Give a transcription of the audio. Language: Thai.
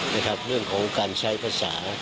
เรื่องของการใช้ภาษา